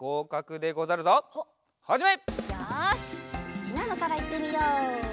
すきなのからいってみよう。